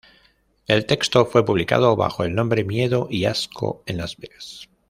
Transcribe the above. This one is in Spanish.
El texto fue publicado bajo el nombre "Miedo y asco en Las Vegas".